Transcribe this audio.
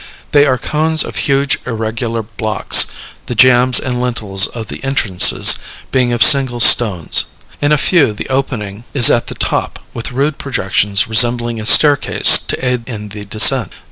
They are cones of huge, irregular blocks, the jambs and lintels of the entrances being of single stones. In a few the opening is at the top, with rude projections resembling a staircase to aid in the descent.